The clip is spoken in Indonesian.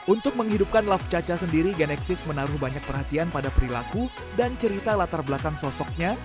untuk menghidupkan laf caca sendiri genexis menaruh banyak perhatian pada perilaku dan cerita latar belakang sosoknya